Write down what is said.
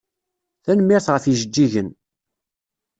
Tanemmirt ɣef ijeǧǧigen.